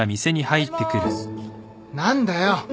何だよ。